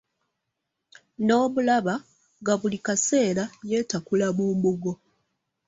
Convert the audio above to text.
N'omulaba nga buli kaseera yeetakula mu mbugo.